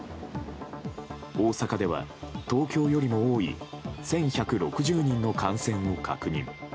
大阪では、東京よりも多い１１６０人の感染を確認。